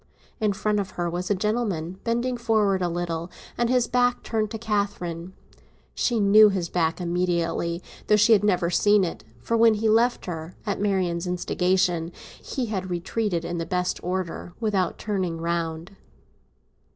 In front of her was a gentleman, bending forward a little, with his back turned to Catherine. She knew his back immediately, though she had never seen it; for when he had left her, at Marian's instigation, he had retreated in the best order, without turning round.